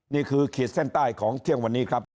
ขีดเส้นใต้ของเที่ยงวันนี้ครับ